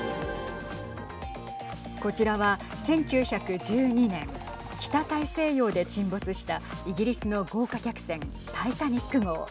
こちらは１９１２年北大西洋で沈没したイギリスの豪華客船タイタニック号。